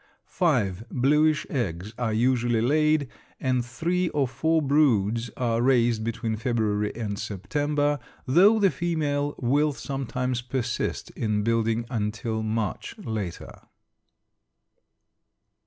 Five bluish eggs are usually laid, and three or four broods are raised between February and September, though the female will sometimes persist in building until much later.